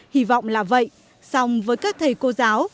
hy vọng là vậy song với các thầy cô giáo